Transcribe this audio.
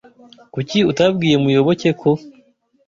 Kuki utabwiye Muyoboke ko?